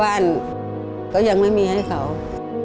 ครูกายมมาได้ครับ